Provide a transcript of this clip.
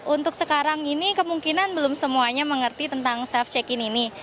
untuk sekarang ini kemungkinan belum semuanya mengerti tentang self check in ini